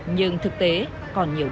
nhưng thực tế còn nhiều